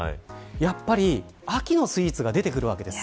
やっぱり、秋のスイーツが出てくるわけです。